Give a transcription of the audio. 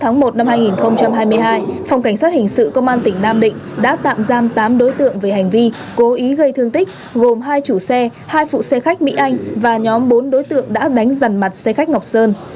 ngày một hai nghìn hai mươi hai phòng cảnh sát hình sự công an tỉnh nam định đã tạm giam tám đối tượng về hành vi cố ý gây thương tích gồm hai chủ xe hai phụ xe khách mỹ anh và nhóm bốn đối tượng đã đánh dần mặt xe khách ngọc sơn